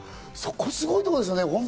そこがすごいところですよね